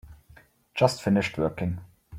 Just finished working.